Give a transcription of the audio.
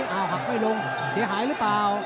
เอาหักไม่ลงเสียหายหรือเปล่า